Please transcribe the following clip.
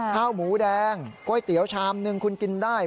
ข้าวหมูแดงก๋วยเตี๋ยวชามหนึ่งคุณกินได้